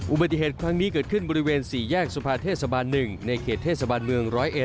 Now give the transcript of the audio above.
อุบัติเหตุครั้งนี้เกิดขึ้นบริเวณสี่แยกสภาเทศบาลหนึ่งในเขตเทศบาลเมืองร้อยเอ็ด